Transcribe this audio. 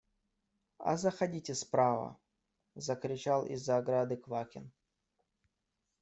А заходите справа! – закричал из-за ограды Квакин.